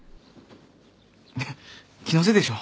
気のせいでしょ。